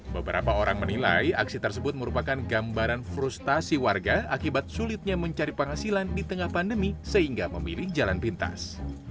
beberapa orang menilai aksi tersebut merupakan gambaran frustasi warga akibat sulitnya mencari penghasilan di tengah pandemi sehingga memilih jalan pintas